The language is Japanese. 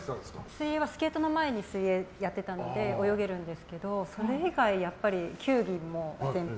水泳はスケートの前でやってたので泳げるんですけどそれ以外、球技も全般。